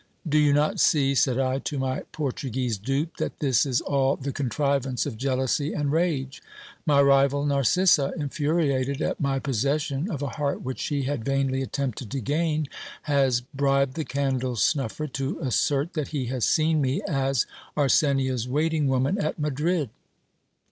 Do you not see, said I to my Portuguese dupe, that this is all the contrivance of jealousy and rage ? My rival, Narcissa, infuriated at my possession of a heart which she had vainlv 424 GIL BLAS. attempted to gain, has bribed the caudle snuffer to assert that he has seen me as Arsenia's waiting woman at Madrid.